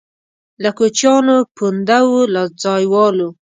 له کوچیانو پونده وو له ځایوالو.